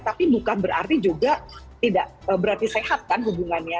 tapi bukan berarti juga tidak berarti sehat kan hubungannya